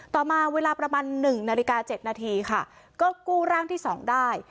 ต่อมาเวลาประมาณ๑นาฬิกา๗นาทีค่ะก็กู้ร่างที่๒ได้